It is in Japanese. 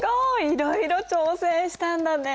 いろいろ挑戦したんだね。